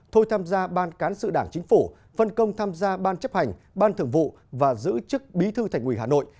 thôi tham gia ban cán sự đảng chính phủ phân công tham gia ban chấp hành ban thường vụ và giữ chức bí thư thành ủy hà nội